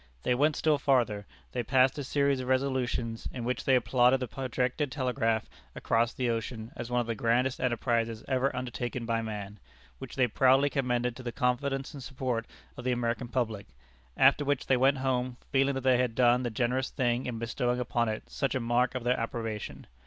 They went still farther, they passed a series of resolutions, in which they applauded the projected telegraph across the ocean as one of the grandest enterprises ever undertaken by man, which they proudly commended to the confidence and support of the American public, after which they went home, feeling that they had done the generous thing in bestowing upon it such a mark of their approbation.